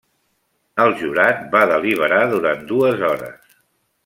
El jurat va deliberar durant dues hores.